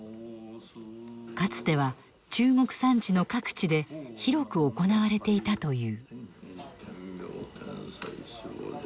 かつては中国山地の各地で広く行われていたという。